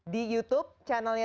di youtube channelnya